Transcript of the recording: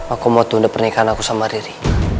aku mau tunda pernikahan aku sama riri